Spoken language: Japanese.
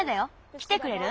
きてくれる？